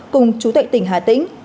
cùng chú tuệ tỉnh hà tĩnh